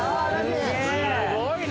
すごいね。